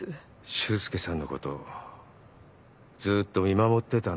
修介さんのことずっと見守ってたんですね。